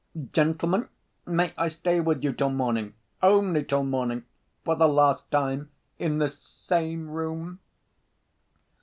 Gentlemen, may I stay with you till morning? Only till morning, for the last time, in this same room?"